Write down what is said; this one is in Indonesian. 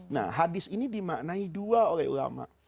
nah hadis ini dimaknai dua oleh ulama